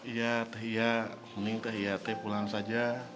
iya teh iya mending teh iya teh pulang saja